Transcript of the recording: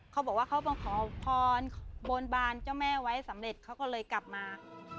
เขาบอกว่าเขามาขอพรบนบานเจ้าแม่ไว้สำเร็จเขาก็เลยกลับมา